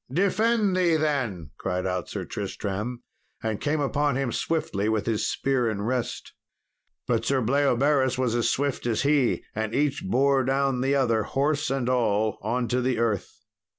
"Defend thee, then," cried out Sir Tristram, and came upon him swiftly with his spear in rest. But Sir Bleoberis was as swift as he, and each bore down the other, horse and all, on to the earth.